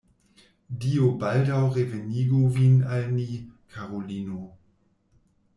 Dio baldaŭ revenigu vin al ni, karulino.